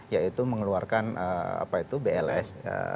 yaitu mengeluarkan bls